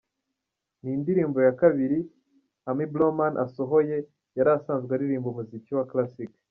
Ni indirimbo ya kabiri Amy Blauman asohoye, yari asanzwe aririmba umuziki wa classic.